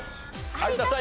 有田さん。